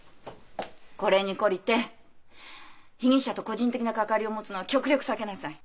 これに懲りて被疑者と個人的な関わりを持つのは極力避けなさい。